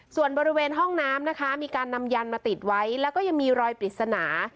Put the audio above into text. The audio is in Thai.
ส่วนบริเวณห้องน้ำนะคะมีการนำยันมาติดไว้แล้วก็ยังมีรอยปริศนา